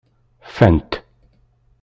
Fant.